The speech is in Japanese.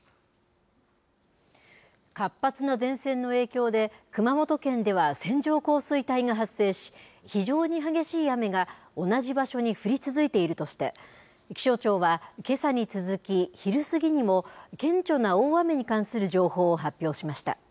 活発な前線の影響で、熊本県では線状降水帯が発生し、非常に激しい雨が同じ場所に降り続いているとして、気象庁は、けさに続き昼過ぎにも、顕著な大雨に関する情報を発表しました。